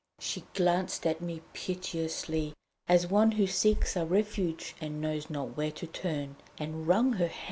She glanced at me piteously, as one who seeks a refuge and knows not where to turn, and wrung her hands.